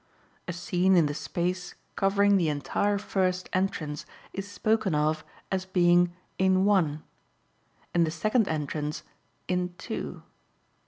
A scene in the space covering the entire first entrance is spoken of as being "in one"; in the second entrance, "in two."